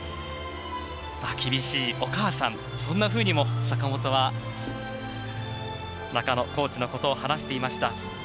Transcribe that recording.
厳しいお母さんそんなふうにも坂本は中野コーチのことを話していました。